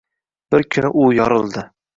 Bir kun u yorildi.